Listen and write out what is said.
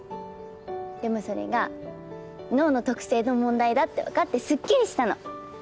でもそれが脳の特性の問題だって分かってすっきりしたの。